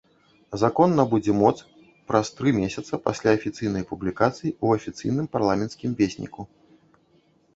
Закон набудзе моц праз тры месяца пасля афіцыйнай публікацыі ў афіцыйным парламенцкім весніку.